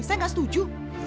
saya gak setuju